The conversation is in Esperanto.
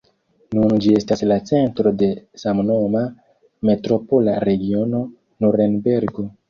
Nun ĝi estas la centro de samnoma Metropola regiono Nurenbergo.